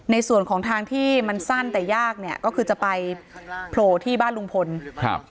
ในส่วนของทางที่มันสั้นแต่ยากเนี่ยก็คือจะไปโผล่ที่บ้านลุงพลครับ